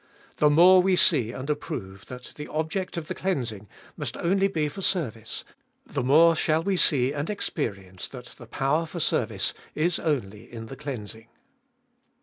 The more we see and approve that the object of the cleansing must only be for service, the more shall we see and experience that the power for service is only in the cleansing.